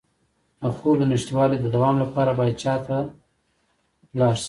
د خوب د نشتوالي د دوام لپاره باید چا ته لاړ شم؟